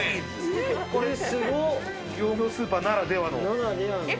すごい、業務スーパーならではの。